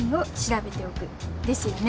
ですよね！